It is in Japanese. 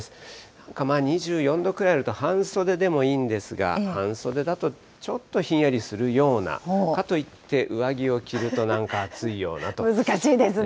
なんか２４度くらいあると、半袖でもいいんですが、半袖だとちょっとひんやりするような、かといって、難しいですね。